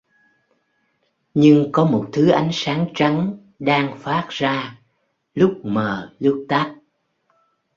Nhưng có một thứ ánh sáng trắng đang phát ra lúc mờ lúc tắt